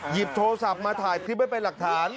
หยิบโทรศัพท์มาถ่ายคลิปไว้เป็นหลักฐาน